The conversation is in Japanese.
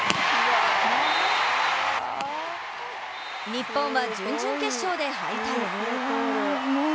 日本は準々決勝で敗退。